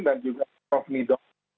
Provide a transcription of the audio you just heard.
dan juga prof nidon